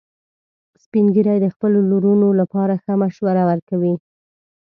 سپین ږیری د خپلو لورونو لپاره ښه مشوره ورکوي